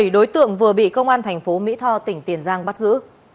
bảy đối tượng vừa bị công an thành phố mỹ tho tỉnh tiền giang bắt giữ